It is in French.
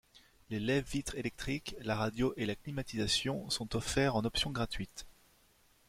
Les lève-vitres électriques, la radio et la climatisation sont offerts en option gratuite.